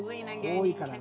多いからな。